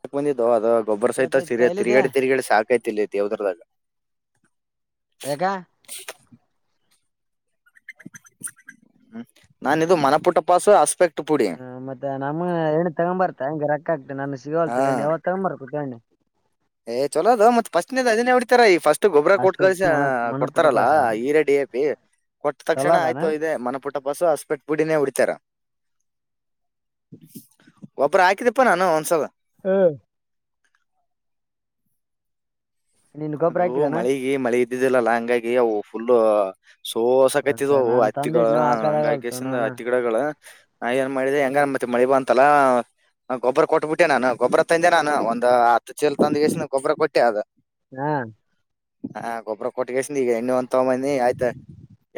ಸಾಕ್ ಬಂದಿದ್ದು ಅದ ಗೊಬ್ಬರ ಸಹಿತ ಸಿ ಕೇಳ್ತೈತ್ ಎಲ್ಲಿದೆ ತಿರುಗಡೆ ತಿರುಗಾಡೆ ಸಾಕೈತಿ ಇಲ್ಲಿ ದೇವದುರ್ಗದ್ಯಗ. ಯಾಕ ಹ್ಮ ನಾನ ಇದು ಮನ ಪುಟ್ಟ ಪಾಸು ಆಸ್ಪೆಕ್ ಹ್ಮ ಮತ್ತೆ ನಮ್ಮ ಎಣ್ಣ ತಗೊ ಬರ್ತ ಹಂಗೆ ರೊಕ್ಕ ಆಗ್ತ ನನ್ ಹಾ ಸಿಗೋಲ್ತ ಎಣ್ಣ ಯಾವತ್ತು ತಗೊ ಬರ್ತಣ್ಣಿ ಏ ಚಲೋ ಅದೋ ದ ಮತ್ ಫಸ್ಟನೆದ್ ಹಿಡಿತಾರ ಈ ಫಸ್ಟ್ ಗೊಬ್ಬರ ಕೊಟ್ ಕಲ್ಸ ಹಾಸ್ಪಿಟ್ಲ್ ಮಣ ಮಣಪುಟ್ಟ ಕೊಡ್ತಾರಲ್ಲ ಪಾಸ ಹಿರೆ ಡಿ ಎ ಪಿ ಕೊಟ್ಟ ಚಲೋ ತಕ್ಷಣ ಅದಾನ ಆಯ್ತು ಇದೆ ಮನ ಪುಟ್ಟ ಪಸು ಹಸ್ಪೆಟ್ ಪುಡಿನೇ ಉಡಿತಾರ [inaudible] ಗೊಬ್ಬರ ಹಾಕಿದಪ್ಪ ನಾನು ಒಂದ್ಸಲ ಹ್ಮ್ ನಿನ್ ಗೊಬ್ಬರ ಅದು ಹಾಕಿದಾನ ಮಳೆಗಿ ಮಳೆ ಇದ್ದಿದಿಲ್ಲಲ್ಲ ಹಂಗಾಗಿ ಅವು ಫುಲ್ಲು ಒಂದ್ಸ ಸೋಸಕತ್ತಿದ್ವು ನಾನ್ ಹತ್ತಿಗಳ ತಂದಿಟ್ನ ಹಾಕದಾಗಲ್ತು ಹಂಗಾಗಿಸಿಂದ ನಾನ ಹತ್ತಿ ಗಿಡಗಳ ನಾ ಏನ್ ಮಾಡಿದೆ ಹೆಂಗ ಮತ್ತ ಮಳಿ ಬಂತಲ್ಲ ಗೊಬ್ಬ್ರ ಕೊಟ್ಬಿಟ್ಟೆ ನಾನು ಗೊಬ್ಬ್ರ ತಂದೆ ನಾನು ಒಂದ ಹತ್ತು ಚೀಲ ತಂದ್ಗಸ ಗೊಬ್ರರ ಕೊಟ್ಟೆ ಅದು. ಹ್ಮ್ ಹಾ ಗೊಬ್ಬ್ರ ಕೊಟ್ಟಿಗಲ್ಸಿನಿ ಈಗ ಎಣ್ಣೆ ಒನ್ ಇನ್ನು ತಗೊಬಂದ್ನಿ ಆಯ್ತಾ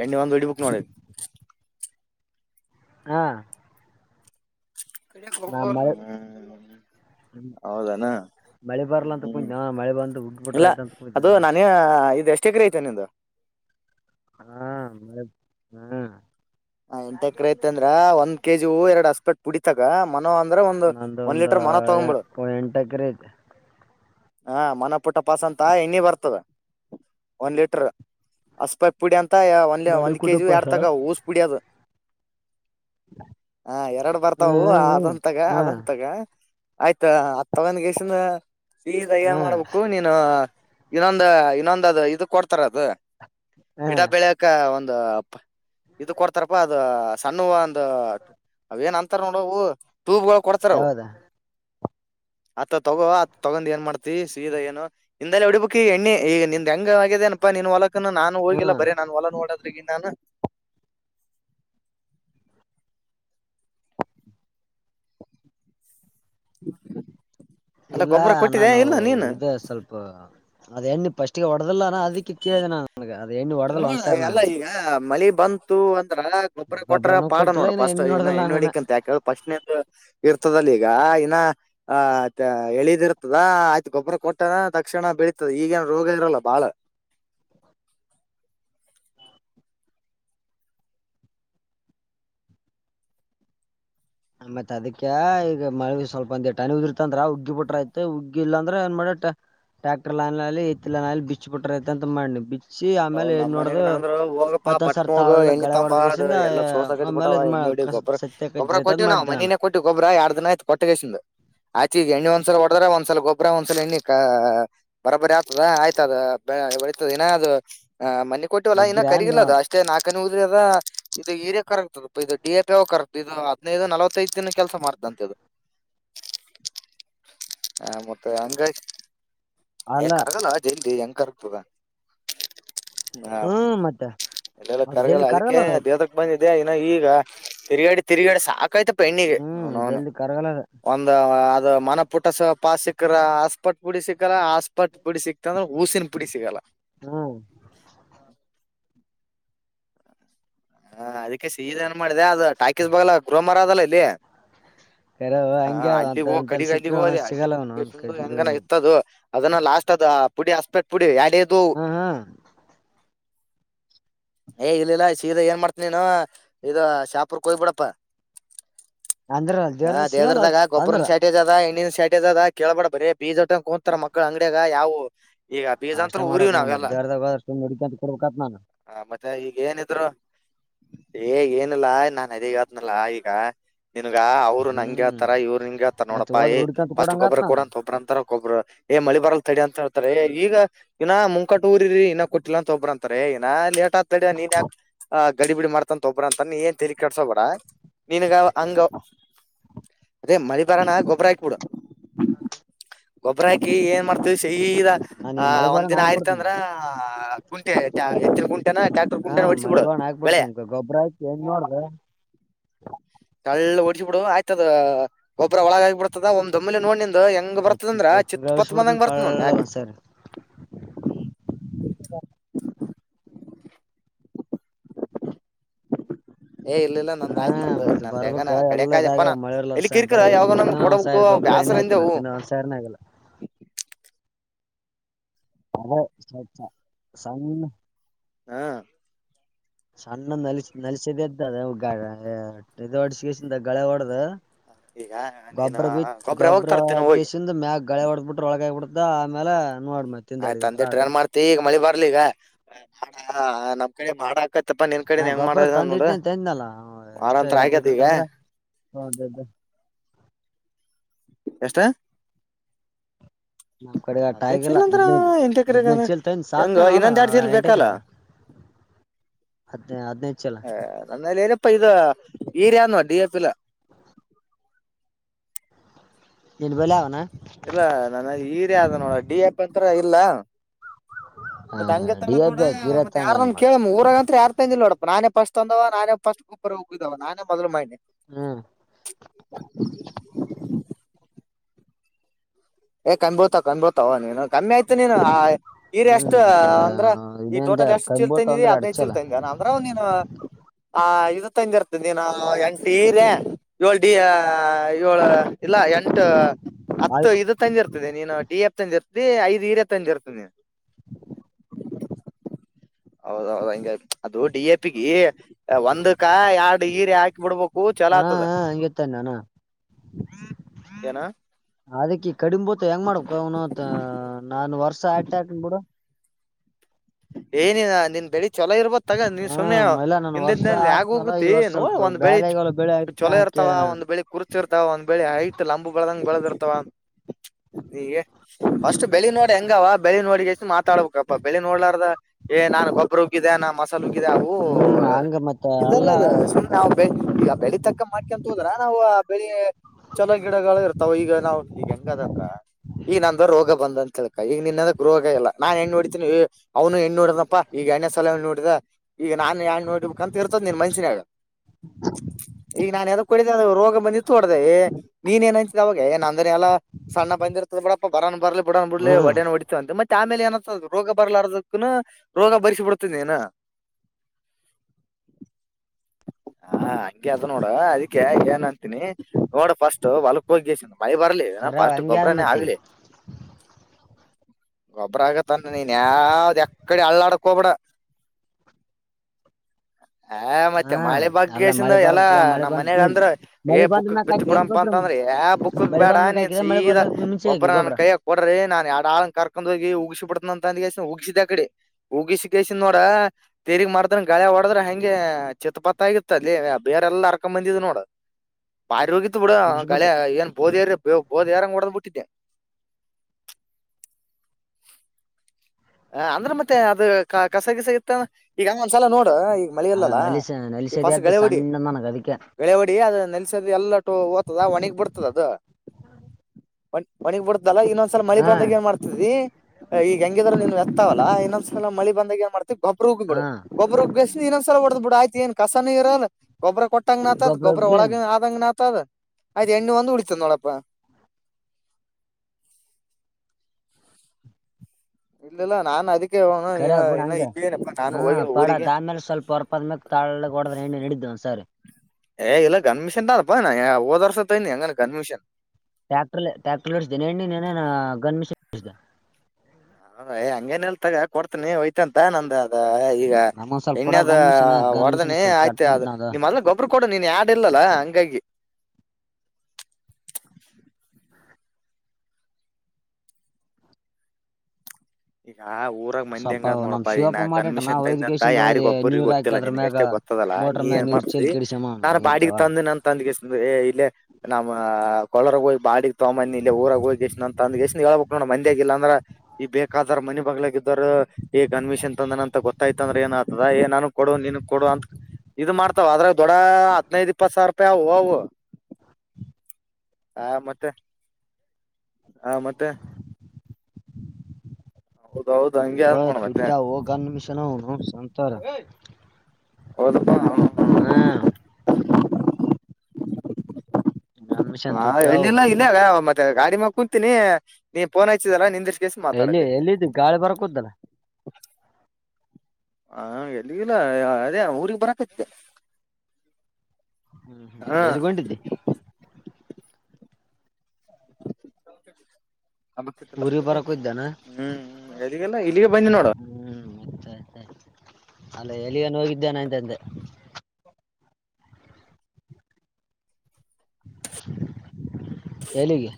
ಎಣ್ಣೆ ಒಂದ್ ಹೋಡಿಬೇಕ್ ನೊಡಿಲ್ಲಿ ಹಾ ನಾ ಮಳೆ ಹ್ಮ ಹೌದಾನ ಮಳೆ ಹ್ಮ ಬರ್ಲ ಅಂತ ಹ್ಮ್ ಕುಂತ ಮಳೆ ಬಂದು ಉಗ್ ಬಿಟ್ರ ಇಲ್ಲ ಆಯ್ತ ಅಂತ ಕುಂತ ಅದು ನಾ ನಾನೇ ಎಷ್ಟ ಎಕ್ರ ಐತ ನಿಂದ ಹಾ ಹ್ಮ್ ಹ ಎಂಟ ಎಕ್ರೆ ಇತ್ತಂದ್ರ ಒಂದ್ ಕೆಜಿ ಹೂ ಎರಡ್ ಹಸ್ಪೆಟ್ ಪುಡಿ ತಗ. ಮನ ಅಂದ್ರೆ ಒಂದು ನಂದು ಒಂದ್ ಒಂದು ಲೀಟರ್ ಮನ ತಗೊಬಿಡು ಎಂಟ ಎಕರೆ ಐತೆ ಹಾ ಮನ ಪುಟ್ಟ ಪಸ್ ಅಂತ ಎಣ್ಣಿ ಬರ್ತದ ಒಂದ್ ಲೀಟರ್ ಹಸ್ಪಕ್ ಪುಡಿ ಅಂತ ಮತ್ತ ಒಂದ ಮಣೆ ಒಂದ್ ಕೆಜಿ ಕುಟಪಾಸ ಎಡ್ ತಗ ಊಸ್ ಬಿಡಿಯೋದು ಹ ಎರಡು ಹ್ಮ್ ಬರ್ತವು ಹ್ಮ್ ಹ್ಮ್ ಅದಂತಗ ಹ್ಮ್ ಅದಂತಗ ಆಯ್ತಾ ಅತ್ತ ತಗಂದ ಗಸಂದ ಈಗ ಏನ್ ಹ್ಮ್ ಮಾಡ್ಬೇಕು ನೀನು ಇನ್ನೊಂದ ಇನ್ನೊಂದ ಅದ ಇದು ಕೊಡ್ತಾರ ಅದ ಹ್ಮ್ ಗಿಡ ಹ್ಮ್ ಬೆಳೆಕ ಒಂ ದ ಇದು ಕೊಡ್ತಾರಪ್ಪ ಅದು ಸಣ್ಣ ಒಂದು ಅವೇನ್ ತ ಅಂತರ ನೋಡ ಅವು ತುಬ್ ಗಳ ಕೊಡ್ತಾರ ಅವು ಯಾವದ ಆತ್ತ ತಗೋ ಆತ್ ತಗೊಂಡ್ ಏನ್ ಮಾಡ್ತಿ ಸೀದಾ ಏನು ಇನ್ನೆಲೆ ಒಡೀಬೇಕ ಎಣ್ಣೆ ಎ ನಿಂದ್ ಹೆಂಗ ಎನಪ್ಪಾ ನೀನ್ ಹೊಲಕ್ಕನ ನಾನು ಹೋಗಿಲ್ಲ ಹ್ಮ್ ಬರೇ ನನ್ ಹೊಲ ನೋಡಲ್ಲ ಆಗಿನ ನಾನ ಅಲ್ಲ ಇಲ್ಲ ಗೊಬ್ಬರ ಕೊಟ್ಟಿದೆ ನಾನು ಇಲ್ಲ ನೀನು ಇದ ಸ್ವಲ್ಪ ಅದ ಎಣ್ಣಿ ಪಸ್ಟಿಗ ಹೊಡ್ದಲ್ಲ ಅದಕ್ಕೆ ಕೇಳ್ದೆ ನಾ ಅದ ಎಣ್ಣಿ ಮತ್ತೆ ಓಡಡಿಲ್ಲ ನೋಡ ವಂದ್ಸಾರ ನಾ ಎಲ್ಲ ಈಗ ಮಳಿ ಬಂತು ರ ಗೊಬ್ಬರ ಕೊಟ್ರ ಗೊಬ್ರನೂ ಪಾಡ ಕೊಟ್ಟಿಲ್ಲ ನೋಡ ಇನ್ನ ಫಸ್ಟ್ ಎಣ್ಣಿ ಇನ ಹೊಡದಲ್ಲ ನಾನ ಎಣ್ಣಹೋಡಿಕ ಅಂತ ಯಾಕೇಳ ಫಸ್ಟ್ ನದ ಇರ್ತದ ಅಲ್ಲಿ ಈಗ ಇನ್ನ ಆ ಎಳಿದ ಇರ್ತದ ಆಯ್ತು ಗೊಬ್ಬರ ಕೊಟ್ಟದ ತಕ್ಷಣ ಬೆಳೀತದ ಈಗೇನ ರೋಗ ಇರಲ್ಲ ಬಾಳ ಆ ಮತ್ತ ಅದಿಕ್ಕ ಈಗ ಮಳವಿ ಸ್ವಲ್ಪ ಹನಿ ಊದಿರ್ತ ಅಂದ್ರ ಇಟ ಉಗ್ಗಿ ಬಿಟ್ರ ಆಯತ್ ಉಗ್ಗಿ ಇಲ್ಲ ಅಂದ್ರ ಏನ್ ಮಾಡ ಟ್ಯಾಕ್ಟರ್ ಲ ಲ್ಯಾನನಲ್ಲಿ ಎತ್ತಿಲ್ಲ ಬಿಚ್ ಬಿಟ್ರೈತೆ ಅಂತ ಮಾಡ್ನಿ ಬಿ ಹೌದ ನಮ್ಮ ಮನ್ಯಗ್ ನಂದ್ರ ಹೋಗಪ್ಪಾ ಮತ್ತೊಂದ್ ಸರ್ ಪಟ್ನ ಹೋಗ ತಾಳ ಎಣ್ಣ ಗಳೆ ತಂಬ ಅದು ಹೊಡದಗಸಿಂದ ಎಲ್ಲ ಸೋಸಕತ್ ಆಮೇಲೆ ಬಿಟ್ಟವ ಇದ್ ಎಣ್ಣ ನೋಡಿ ಗೊಬ್ರ ಸತ್ಯ ಕೈತ್ ಗೊಬ್ರ ಅದ್ ಕೊಟ್ಟನ ಮಾಡಿದ್ದೆ ನಾನು ಮನೀನೆ ಕೊಟ್ಟವ ಗೊಬ್ರ ಯಾಡ ದಿನ ಆಯತ ಕೊಟ್ಟಗಸಿಂದ ಆಚ ಎಣ್ಣಿ ಒಂದ್ಸಲ ಹೊಡದ್ರ ಒಂದ್ಸಲ ಗೊಬ್ಬರ ಒಂದಸಲ ಎಣ್ಣ ಬರಬರ ಆಗ್ತದ ಆಯ್ತದ ಬ ಏನ್ ಅದು ಅ ಮನಿ ಕೊಟ್ಟವಲ್ಲಾ ಇನ ಉಗ್ರ ಏನ್ ಕರಿಗಿಲ್ಲ ಅದ ಅಷ್ಟ ಏನ ಕಣ್ ಊದಿ ಅದ ಇದು ಇರ ಕರತದ ಇದು ಡಿ ಎಫ ಕರಕ್ ಇದ ಹದ್ನೈದು ನಲವತ್ತೈದ ದಿನ ಕೆಲಸ ಮಾಡ್ತ. ಅಂತ್ದ [inaudible] ಹ್ನ ಮತ್ತ ಹಂಗ ಎ ಅಲ್ಲ ಕರಗಲ್ಲ ಜಲ್ದಿ ಹೆಂಗ ಕರಘಟದ ಹ್ಞಾ ಹ್ಮ್ ಮತ್ತೆ ಇಲ್ಲಾ ಅದು ಜಲ್ದಿ ಕರಗಲ್ಲ ಅದಿಕ್ಕೆ ಅದು ದೇವತಕ್ ಬಂದ ದೆ ಇನ ಈಗ ತಿರಗ್ಯಾಡಿ ತಿರಗಾಡ ಸಾಕ ಕೈ ತಪ್ಪ ಎಣ್ಣಿಗ ಹ್ಮ್ ಅವನೌನ ಜಲ್ದಿ ಕರಗಲ್ಲ ಅದು ಒಂದ ಅದ ಮನ ಪುಟ್ಟಸ ಪಾಸಕರ ಆಸ್ಪಾಟ್ ಪುಡಿ ಸಿಕ್ಕಲ್ಲ ಆಸ್ಪಾಟ್ ಪುಡಿ ಸಿಕ್ಕರ ಬುಸ್ಸಿನ ಪುಡಿ ಸಿಗಲ್ಲ. ಹ್ಮ. ಹಾ ಅದಕ್ಕೆ ಸೀದನ್ ಮಾಡದೆ ಅದ ಟಾಕೀಸ್ ಬಗಲ ಗೃಹ ಮರ ಇದಲ ಇಲ್ಲಿ ಕರೆ ಹ ಹಂಗೆ ಅದ ಅಂತ ಅಲ್ಲಿಗು ಅಂತಲ್ಲಿ ಕಡಿಗಲ್ಲಗ ಸಿಕ್ಕ್ರ ಹೋದೆ ಒಂದೊಂದ್ ಸಿಗಲ್ಲ ಅಲ್ಲಿಗ ಅವನು ಅವನ್ ಕೈ [unintelligible] ಹೆಂಗನ ದುಡಿದವನು ಇತ್ತ ಅದು. ಅದನ್ನ ಲಾಸ್ಟ್ ಅದ ಪುಡಿ ಅಸ್ಪೆಟ್ ಪುಡಿ ಎಡೆದು ಹಾ ಹಾ ಏ ಇಲ್ಲಿಲ್ಲ ಸೀದ ಏನ್ ಮಾಡ್ತೀ ನೀನು ಇದು ಶಾಪ್ ಪುರ್ ಕ ಹೋಗ್ಬಿಡಪ್ಪ ಅಂದ್ರ ಆ ದೇವ್ರದ ಸಿಗಲ್ಲ ದೇದ್ರದಾಗ ಗೊಬ್ಬರ ಅಂದ್ರ ಸ್ಯಾಟಿ ಅದ ಎಣ್ಣದ ಸ್ಯಾ ದದ ಕೇಳ್ಬಡ ಬರೇ ಬೀಜಟ್ಟಗ ಹೋತಾರ ಮಕ್ಳ ಅಂಗಡ್ಯಾಗ ಯಾವು ಈಗ ಬೀಜ ಅಷ್ಟೇ ಅಂತ ಊರಿವ್ ಮಾಡಕಣ ಮತ್ತ ನಾವೆಲ್ಲಾ ಯಾರದಾಗೋರ [unintelligible] ಕೊಡ್ಬೇಕತ್ ನಾನ ತ ಈಗ ಏನಿದ್ರು ಏ ಏನಿಲ್ಲಾ ನಾನ್ ಅದೇ ಹೇಳಿತನಲ್ಲ ಈಗ ನಿನಗ ಅವ್ರು ನಂಗ ಹ್ಮ್ ಹೇತರ ಇವ್ರ ಹಿಂಗ ಹೇತಾರ ಮತ್ ನೋಡಪ್ಪಾ ಹೋದ್ರ ಎ ಹುಡ್ಕಂತ ಫಸ್ಟ್ ಕೊಡಂಗತ್ ಗೊಬ್ಬ್ರ ಕೂಡ ನಾನು ಅಂತ ಒಬ್ರ ಅಂತಾರ ಗೊಬ್ಬರ ಏ ಮಳಿ ಬರಲ್ ತಡಿ ಅಂತ ಹೇಳ್ತಾರ ಎ ಈಗ ಇನ ಮುಂಕಟ್ಟ ಊರಿರಿ ಇನ್ನ ಕೊಟ್ಟಿಲ್ಲ ಅಂತ ಒಬ್ಬರ ಅಂತಾರ ಎ ಇನಾ ಅಟ ತಡ ನೀನ್ಯಾಕ್ ಗಡಿ ಬಿಡಿ ಮಾಡ್ತಾನಂತ ಒಬ್ಬನ ಅಂತಾನ ಏನ್ ತಲಿ ಕೆಡಸ್ಕೊಬೇಡ. ನೀನಗ ಹಂಗ ಅದೇ ಮಳಿ ಬರಾನ ಗೊಬ್ಬರ ಹಾಕಿಬಿಡ. ಗೊಬ್ಬರ ಹಾಕಿ ಏನ್ ಮಾಡ್ತ ಸಿದ ನಾನ್ ಆ ಈ ಮಳಿ ಒಂದ ಬರನ ದಿನ ಆಯ್ತ ಹಾಕ್ಬಿಡ್ತೀನಿ ಅಂದ್ರ ಗುಂಟಿ ಟ್ಯಾ ಎತ್ತಿನ ಕುಂಟೆನ ಟ್ಯಾಕ್ಟರ್ ಹಾ ಕುಂಟೆನ ಹೊಡ್ಸಿ ಮಳೆ ಬಿಡು ಬವಣ ಗಳೆ ಹಾಕ್ಬಿಡತನ ಗೊಬ್ಬರ ಆಯ್ತಿು ಏನ್ ಮಾಡ್ದ ತೆಳ್ಳಗ ಹೊಡಸಬಿಡು ಆಯ್ತದ ಗೊಬ್ರ ಒಳಗ ಹಾಕಿ ಬಿಡ್ತದ ಒಂದ ಓಮ್ಮೇಲ ನೋಡ ನಿ ದ ಹೆಂಗ ಬರ್ತದಂದ್ರ ಚಿತ್ಪತ್ ಬಿಡ್ತೀನಿ ಬಂದಂಗ ಬರ್ತದ ನೋದ ತಳ್ಳಗ್ ಮ್ಯಾಗ ಒಂದ್ಸರಿ [inaudible] ಏ ಇಲ್ಲಿಲ್ಲ ನಂದ್ ಹಾ ಆಯ್ತ್ ನಂದು ಮತ್ತ ನಂದ್ ಬರ್ಬೇಕ ಹೆಂಗನ ಎಲ್ಲ ಕಡ್ಯಕಾಯ್ದಪ್ಪ ಇದಾಗ ನಾನ್ ಮಳೆಯರಲ ಎಲ್ಲಿ ಕಿರಿಕಿರ [unintelligible] ಯಾವಾಗ ನಮ್ ನೀನ ಹೋ ಕೊಡಬೇಕು ಒಬ್ರ ಬ್ಯಾಸರ ಎಣ್ಣೆ ಆಯ್ತ ನ ಹಿಂದೆವು ಇನ್ನ ಒಂದ್ ಸಾರನ ಆ ಅದ ಸಚ್ಚ ಸಣ್ಣ ಹ [unintelligible] ಸಣ್ಣ ನಲಸದ ಇದ್ದ ಉಕಡರಂಗ ರೆಸಾರ್ಟ್ ಸಿಟಿನಿಂದ ಗಳೆ ಹೊಡದ ಈಗ [unintelligible] ನೀನ್ ಗೊಬ್ಬರ ಬಿತ್ತ ಗೊಬ್ಬ್ರ ಯಾವಾಗ ಗೊಬ್ಬರ ತರ್ತೀನ ಹೋಗಿ ಹಾಕಿಸಿಂದ ಮ್ಯಾಗ [unintelligible] ಗಳೆ ಹೊಡದಬಿಟ್ಟರ ಒಳಗಾಯಿ ಬಿಡುತ್ತಾ ಆಮೇಲ [unintelligible] ಆಯ್ತ ತಂದ ಇಟ್ರ ಏನ್ ಮಾಡ್ತಿ ಈಗ ಮಳಿ ಬರ್ಲಿಗ ಹ ನಮ್ಮ ಕಡೆ ಮಾಡ [unintelligible] ಸಾಕಾಯ್ತ್ರಪ್ಪ ನಿನ್ ನಾ ಕಡಿನ ಹೆಂಗ ಗೊಬ್ಬ್ರ ಮಾಡದ ತಂದ್ ನೋಡ ಇಟ್ನಿ ಅಂತ ಅಂದ್ನಲ್ಲ ಮಾಡ ಅಂತೂರು ಆಗೈತಿ ಈಗ [unintelligible] ತಗೊಂಡಿದ್ದೆ. [unintelligible] ಎಷ್ಟ [unintelligible] ನಮ್ಮ ಕಡೇ ಅಟ್ಟ ಹದ್ನೈದು ಚೀಲ ಆಗಿಲ್ಲ ಅಂದ್ರ ಹದಿನೈದ ಎಂಟ ಎಕರೆಗ ಹದಿನೈದ ಚೀಲ್ ತಂದೆ ಹೆಂಗ ಸಾಲತ್ತವ ಅವಲ್ಲ ಎಂಟ ಎಕರೆಗ [unintelligible] [unintelligible] ಹ ನಂದಲ್ಲೇನಪ್ಪ ಇದ [unintelligible] ಈರೇನು ಡಿ ಎಫ್ ಇಲ್ಲ [unintelligible] ನಿನ್ನ ಬಾಲ ಅವನ [unintelligible] ಇಲ್ಲ ನನಗ ಈರೈ ಅದನ ಡಿ ಎಫ್ ಅಂತ್ರೂ ಇಲ್ಲ [unintelligible] ಮತ್ತ ಡಿ ಅಂಗತ್ಂದ್ರ ಎ ನೋಡ ಪಿ ಕೀರ ಮತ್ತೆ ತಂದ ಯಾರ ಏನ್ ಒಂದ್ ಮಾಡ ಕೇಳ ಊರಾಗ [unintelligible] ತ್ರ ಯಾರ್ ಪೇಗಿಲ ಓಡಬೇಕ್ ನಾನೇ ಫಸ್ಟ್ ವನ್ ನಾನೇ ಫಸ್ಟ್ ನಂಬರ್ ಹುಟ್ಟಿದವನು ನಾನೇ ಮೊದಲ ಮೈ [unintelligible] ಹೂ [unintelligible] ಏ ಕನ್ ಬೆಳ್ತಾವ್ ಕನ್ ಬೆಳ್ತಾವ್ ನೀನ [unintelligible] ಕಮ್ಮಿ ಆಯ್ತ ನೀನ ತೀರ ಹ್ಮ್ ಎಷ್ಟ ಮತ್ತ ಅಂದ್ರ ಈ ಇದಿಂದ ಟೋಟಲ್ ಎಷ್ಟು ಚೀಲ ಕಂಬೋತ ತಂದಿದ್ದಿ ಅಂದ್ರೆ ಹದನೈದ ಚೀಲ ಅಡ್ಚಲ ತಂದಿದ್ದಿ ಏನ್ [unintelligible] ಅಂದ್ರವ ನೀನ್ [unintelligible] ಆ ಇದು ತಂದಿರತಿ ನೀನು ಎಂಟ ಈರೆ ಏಳ್ ಡಿಯ ಏಳ [unintelligible] ಇಲ್ಲ ಎಂಟು ಹಾ ಹತ್ತು ಇದು [unintelligible] ಗೊತ್ತಿದೆ ನೀನು ಡಿ ಎಫ ತಂದಿರ್ತಿ ಐದು ಇರಾ ತಂದಿರ್ತಿ ನೀನ್ [unintelligible] ಹೌದ ಹೌದ ಹಂಗೆ ಅದು ಡಿ ಎಪಿ ಗಿ [unintelligible] ಏ ಒಂದಕ್ಕ ಎರಡು ಈರೇ ಹಾಕಿ ಬಿಡಬೇಕು ಚಲೋ ಹಾ ಆಗ್ತದ [unintelligible] ಹಂಗೆ ತಾನೆ ನಾನು [unintelligible] ಅದಕ್ಕೆ ಈಗ ಕಡಿಮೆ ಬೆಳ್ತದ ಹೆಂಗ್ ಮಾಡ್ಬೇಕು ಅವನು ಅತ ನಾನ ವರ್ಷ ಸಾಟಿ ಆತ ಬುಡ [unintelligible] ಏನ್ ಇದ ನೀನ್ ಬೆಳಿಗ [unintelligible] ಚೊಲೋ ಇರಬೋತ್ ತಗ ನೀ ಹಾ ಸುಮ್ನೆ ಇರು ಮಲ್ಲ ನನ್ ಹಿಂದಿನ ವರ್ಷ ದಿನದಲ್ಲಿ ಆಗ ಆತ್ನಲ್ಲ ಈ ಹೋಗುತ್ತೆ ವರ್ಷ ಏನು ಸ್ವಲ್ಪ ಒಂದ್ ಬೆಳೆ ಚೋ ಬ್ಯಾರೆಗಳು ಬೆಳೆ ಚೊಲೋ ಹಾಕ ಇರತ್ತ [unintelligible] ಇರ್ತವ ಕೇಳ್ದ ನಾನು ಒಂದ್ ಬೆಳಿ ಕುರ್ಚಿರ್ತವ ಒಂದ್ ಬೆಳಿ ಹೈಟ್ ಲಂಬ ಬೆಳದಂಗ ಬೆಳೆದಿರ್ತವ [unintelligible] ಏ ಏ ಪಸ್ಟ್ ಬೆಳಿ ನೋಡ ಹೆಂಗವ ಬೆಳಿ ನೋಡ ಕ್ಯಾಸ್ ಮಾತಾಡ್ಬೇಕಪ್ಪ ಬೆಳಿ ನೋಡ್ಲಾರ [unintelligible] ಅದ ಏ ನಾನ್ ಗೊಬ್ಬರು ಉಗಿದೇ ನಾನ್ ಮಸ್ [unintelligible] ಕಲ್ಲ ನುಂಗಿದೆ ಅವು ಹ್ಮ್ ಹಂಗ ಮತ್ತ ಅಲ್ಲ ಇದಲ್ಲದ ಸುಮ್ನ ಅವ ಬೆಕ್ಕು ಆ ಬೆಳಿ [unintelligible] ತಕ್ಕ ಮಾಡ್ಕೊಂತ ಹೋದ್ರ ನಾವು ಬೆಳಿ [unintelligible] ಚಲೋ ಗಿಡಗಳು ಇರ್ತಾವ ಈಗ ನಾವು ಈಗ ಹೆಂಗ ಅದಂದ್ರ [unintelligible] ಈಗ ನಂದ ರೋಗ ಬಂದಂತ ತಿಳ್ಕ ಈಗ ನಿನದ ರೋಗ ಇಲ್ಲ ನಾನ್ ಎನ್ನಿ ನೋಡತೀನಿ ಏ [unintelligible] ಅವನು ಎನ್ನಿ ನೋಡಿದನಪ್ಪಾ ಈಗ ಎರಡನೇ ಸಲ ಎನ್ನಿ ಹೋಡಿದ ಈಗ ನಾನ್ ಯನಾ ಹೋಡ್ಬೇಕ್ಂತ ಇರ್ತದ್ ನೀನ್ ಮನಸ್ಸಿನ್ಯಾಗ [unintelligible] ಈಗ ನಾನ್ ಎದಕ್ಕ ಕುಡಿತಿನಿ ಅಂದ್ರೆ ರೋಗ ಬಂದಿತ್ತು ಹೊಡದೇ ನೀನ್ ಏನ್ಂತಿದಿದೆ ಅವಾಗ ನಂದ ಏನ್ ಎಲ್ಲ [unintelligible] ಹ ಸಣ್ಣ ಬಂದಿರ್ತದೆ ಬಿಡಪ್ಪ ಬರನ್ ಬರ್ಲಿ ಬಿಡನ್ ಬಿಡ್ಲಿ ಹ್ಮ್ ಒಡೆನ್ ಹೊಡತಿವಂತ ಮತ್ತೆ ಆಮೇಲೆ ಏನಂತ ರೋಗ ಬರ್ಲಾರ್ದ [unintelligible] ನೀನ್ ರೋಗ ಭರಿಸಿ ಬಿಡತಿ ನೀನ್ [unintelligible] ಹಾ ಹಂಗೆ ಅದ ನೋಡ ಅದಿಕ್ಕೆ ಏನ್ ಅಂತೀನಿ ನೋಡ ಫಸ್ಟ್ ಹೊಲಕ್ ಹೋಗ್ಯಾಸ [unintelligible] ಮಳಿ ಬರಲಿ ಖರ ಪಸ್ಟ್ ಹಂಗೆ ಗೊಬ್ಬರ ಆದ ನೇ ಮತ್ತ ಈಗ ಆಗಲಿ [unintelligible] ಗೊಬ್ಬರ ಆಗತ್ತನ್ ನೀನ್ ಯಾವ್ದ ಎಕ್ಕಡೆ ಅಳ್ಳಾಡಕಹೋಗಬ್ಯಾಡ್ [unintelligible] ಹಾ [unintelligible] ಏ ಮತ್ತೆ ಹಾ ಮಳೆ ಅಲ್ಲ ಬಾಗಸಿಂದ ಮಳೆ ಎಲ್ಲಾ ಬರ್ಬೇಕಲ್ಲ ಮಳೆ ನಮ್ಮ ಬಂದ ಮನ್ಯಾಗ ನೀ ಅಂದ್ರ ಏ ಮಳಿ ಬಂದ ಬುಕ್ಕ್ ಮ್ಯಾಕ್ ಬಿತ್ ಹಾಕಿದ ಏನ್ ಬೀಡಪ್ಪ ಗೊಬ್ರ ಅಂತಂದ್ರ ಏ [unintelligible] ಬುಕ್ಕಕ್ ಮಳಿ ಬೇಡ ಬಂದ ಮ್ಯಾಕ್ ನೀನ್ ಹಾಕಿದ ಮಳಿ ಸೀದ ಬರ್ಲಕ್ಕ ಮುಂಚೆ ಒಬ್ಬರ ಹಾಕಿದ ನನ್ ಗೊಬ್ರ ಕೈಯ್ಯಗ ಕೊಡ್ರರಿ ನಾನ್ ಎಡಾ ಆಳನ್ ಕರ್ಕೊಂದ ಹೋಗಿ ಉಗಿಸಿ ಬಿಡ್ತ [unintelligible] ನನ್ ತಂದಗ್ಯಾಸ್ ಉಗಸಿದ ಅಕಡಿ ಉಗಸಿ ಕ್ಯಾಸ ನೋಡ ತಿರಿಗಿ ಮಾಡ್ದ್ರ ಗಳೆ ಹೊಡದ್ರ ಹಂಗೆ [unintelligible] ಚಿತ್ತಪತ್ತ ಆಗಿತ್ತ ಅಲ್ಲಿ ಬೇರೆಲ್ಲ ಹರ್ಕೊ ಬಂದಿದ್ದೆ ನೋಡ. [unintelligible] ಮಾರಿ ರೋಗ ಇತ್ತು ಬಿಡು ಗಳೇ ಉಗ್ಸಬಿಟ್ಟು ಏನ್ ಬುದಿ ಹರಿ [unintelligible] ಯೋ ಬೋದಿ ಹರಿ ಹಂಗ್ ಹೊಡೆದು ಬಿಟ್ಟಿದ್ದೆ. [unintelligible] ಹ ಅಂದ್ರೆ ಮತ್ತೆ ಅದ ಕಸಗ ಸಗುತ್ತ ಈಗ ಒಂದ್ಸಲ ನೋ ಈಗ ಅಲ್ಲ ಮಳೆಯಲ್ಲಲ್ಲ ನಲಿಸ ಈ ನಲಿಸದ ಪಸ್ ಎದ್ದು ಗಳೆ ಹೊಡಿ ಸಣ್ಣ ನನಗ ಅದಕ್ಕೆ ಬೆಳೆ ಹೊಡಿ ಅದ ನೆಲ್ಸಲ್ಲಿ ಎಲ್ಲ ಓ್ತದ ಒಣಿಗ್ ಬಿಡ್ತದ ಅದು ಹ ಮಣಿಗ್ ಬಿಡತಲ್ಲ ಇನ್ನೊಂದ್ಸಲ ಮಳಿ ಬಂದಾಗ ಏನ್ ಮಾಡ್ತಿದ್ ಈ ಗಂದ್ರ ಎತ್ತತವಲ್ಲ ಇನ್ನೊ್ಸಲ ಮಳಿ ಬಂದಾಗ ಏನ್ ಮಾಡ್ತಿವಿ ಗೊಬ್ಬರುಗಿಗಳು ಹಾ ಗಬ್ಬರುಗ್ಗ ಇನ್ನೊಂದಸಲ ಹೊಡ್ ಬಿಡ್ ಆಯ್ತ ಏ ಕಸ ಇರಲ್ಲ ಗೊಬ್ಬರ ಕೊಟ್ಟಂಗ್ತತ್ ಗೊಬ್ರ ಒಳಗೆ ಆದದಂಗ್ ತದ ಅಯದು ಎಣ್ಣು ಒಂದು ಉಳಿತ ನೋಡಪ್ಪ ಹ ಇಲ್ಲಿಲ್ಲ ನಾನ್ ಅದಕ್ಕೆ ಹೋಗ ನೀ ಕರೆ ಬಿಡ ಇಲ್ಲ ಹಂಗ ಇದ್ೇನೆ ಹಾ ಪಡತ್ ಆಮೇಲೆ ಸ್ವಲ್ಪ ಹೊರಪಾದ್ಮೇಾಗ ತಾಳ ಹೊಡ್ರ ಎಣ್ಣೆ ನಡಿದ್ದ ಒ ಸರಿ ಏ್ಲ್ಲ ಕನ್ಮಿಷನ್ ತಾನೆಪ್ಪೋ ಹವದ ವರ್ಷದ ತ ಎಂಗ ಕನ್ಮಿಷನ್ ಟ್ಯಾಕ್ಟರ್ ಟ್ಯಾಕ್ಟರ್ ಹಸ್ಿದೇನೆ ನ ಗನ್ ಮಿಷಿನ್ ಹೌದಯ ಹಂಗೇನ್ ಎಲ್ತಗ ಕೊಡ್ತನಿ ಹೊಯ್ತ ಅಂತ ನಂದ ಅದ ಈಗ ನಮಗ್ ಸ್ವಲ್ಪ ಕೊಡೋ ಎಣ್ಣದ ಗನ್ ಮಿಷನ್ ಗನ್ ಮಿಷನ್ ಹೊಡದನೆೆ ಸ್ವಲ್ಪ ಆಯ್ತ ಕೆಟ್ಟನಂತ ಅದು ನಾದ ನಿಮ್ ಅದ ಗೊಬ್ಬ್ರ ಕೊಡು ನೀನ್ ಆಡ್ ಇಲ್ಲಲ್ಲ ಹಂಗಾಗಿ [inaudible] ಆಾ ಊರಾಗ ಮಂದಿ ಸ್ವಲ್ಪ ಹೆಂಗ ಅ್ ನಮ್ ನೋಡಪ್ಪ ಈಗ ನಾ ಶಿವಪ್ಪ ಮಾಡಿಟ್ಟನ ಕನ್ಮಿಷನ್ ತಂದ ಒಯ್ದ್ ಅಂತ ಕೇಸಿಂದ ಒಯ್ದ್ ಯಾರಿಗ ಒಬ್ಬ್ರಗ ನೀರ್ ಹಾಕಿ ಗೊತ್ತಿಲ್ಲ ಅದ್ರ ನಿನ್ಗೆ ಮ್ಯಾಗ ಅಷ್ಟೇ ಗೊತ್ತದಲ್ಲ ಮೋಟ್ರ ನೀ ಮ್ಯಾಗ ಏನ್ ನೀರ್ ಚೀಲ್ ಮಾಡ್ತವಿ ಕೆಡಿಸಮ ನಾನ ಬಾಡಿಗೆ ನೇಯ್ತಾವ ತಂದು ನನ್ ತಂದಗೆ ಇಲ್ಲೇ ನಮ್ಮ ಕೊಳರ್ಗ್ ಹೋಗಿ ಬಾಡ ತೊ ಮಂದಿ ಇ ಊರ ಹೋಗಿ ಎಷ್ಟ ಅಂತ ಅ ಎಷ್ಟ ಹ ಹೇಳಬೇಕು ನೋಡ ಮಂದಿಾಗಗಲ್ಲ ಅಂದ್ರ ಈ ಬ ಯಾದ ಮನಿ ಬಗ್ಳಾಗ ಇದರು ಏಗ್ ಅನ್ಮಿಷನ್ಂತಂದನ ಅಂತ ಗೊತ್ತಾಯ್ತಂದ್ರ ಏನ್ ಆತದ ಏ ನಾನು ಕೊಡು ನೀನ್ಕ್ ಕೊಡು ಅಂತ ಇದು ಮಾಡ್ತಾವ ಅದ್ರಾಗ ದೊಡ್ಡ ಹದನೈದ್ ಇಪ್ಪತ್ ಸಾವಿರ ರೂಪಾಯಿ ಅವು ಅವು ಆಾ ಮತ್ತೆ ಆ ಮತ್ತೆ ಹೌದೌದು ಹಂಗೆ ಹ ಅದ್ ನೋಡ ಮತ್ತೆ ತುಟಾ ಗನ್ಮಷ ನನು ಸಂತರ ಹೌದಪ್ಪ ಹಾ ಗನ್ ಮಿಷನ್ ಹಾ ತುಟ್ಟಾವು ಎಣ್ಣೆಲ್ಲ ಇದಾಗ ಮತ್ತೆ ಗಾಡಿ ಮ ಕುಂತೀಿನಿ ನೀನ್ ಫೋನ್ ಆಯ್ತಿದಲ್ಲಾ ನಿಂದಿ ಎಲ್ಲಿ ಎಲ್ಲಿದ್ದು ಗಾಳಿ ಬರಕೂುದದ್ದಲ್ಲ ಹಾ ಎಲ್ಲಿಗಿಲ್ಲ ಅದೇ ಊಗ್ ಬರಕೆ ಹ್ಮ್ ಹ್ಮ್ ಎಲ್ಲಿಗೊಂಡಿದ್ದಿ [inaudible] ಊರಿಗೆ ಹ್ಮ್್ಮ ಬರಕೂದ್ದಾನ ಎಿಗೆಲ್ಲ ಇಲ್ಲಿಗೆ ಬನ್ನಿ ನೋಡ ಹ್ಮ್ ಮತ್ತೆ ಅಲ್ಲ ಎಲ್ಲಿಗನ್ ಹೋಗಿದ್ದೇನೆ ಅಂತೆಂತೆ ಎಲ್ಲಿಿಗೆ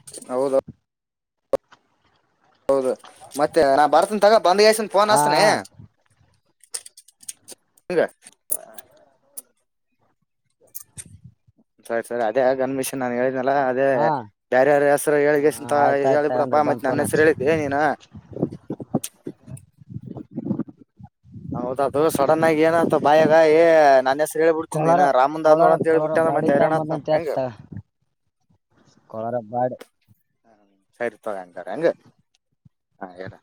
ಹೌದು ಮತ್ತೆ ನಾ ಬರ್ತನ್ ತಗ ಬಂದ್ಗಸನ್ ಫೋನ್ ಹಾ ಹಸ್ತನನೆ ಹಗೆ ಸರಿ ಸರಿ ಅದೇ ಆ ಅನ್ಮಿಷನ್ ನಾನ್ ಹೇಳ ಲ್ಲಾ ಅದೇ ಹಾ ಬಾರ್ಯಾರ ಹೆಸರು ಹಾ ಹೇಳಿಗೆಂತ ಆಯ್ತಾಯ್ತ ಹೇಳ ತಗಂದ್ರ ಬಿಡಪ್ಪಾ ಮತ್ತೆ ನನ್ನ ಹೆಸರು ಹೇಳಿದಿ ನೀನು ಹ ಹೌದ ಅದು ಸಡನ್ ಆಗಿ ಏನಂತ ಬಾಯಾಗ ಏ ನನ್ ಕೊಳಾರ ಹೇಳ್ಬಿಡ್ತೀಿಏ ರಾಮಂದ ನೋಡ ಕೊಳಾರ ಕೊಳಾರ ಅಂತೇಳ್ಬಿಟ್ಟ ಅ ಮತ್ತೆ ತೈರಾರಾಣ್ತ ಹೆಂಗ ಕಲಾರಬಡ್ ಸರಿ ತಗಂತಾರೆ ಹೆಗೆ ಹಾ ಹೇಳಲ್ಲ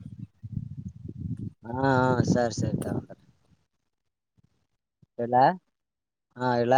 ಹಾ ಹಾ ಸರಿ ಸರಿ ತಗೊತಾರೆ ಎಲ ಹಾ ಎಳ